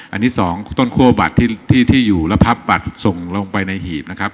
อันนี้๒ต้นคั่วบัตรที่อยู่แล้วพับบัตรส่งลงไปในหีบนะครับ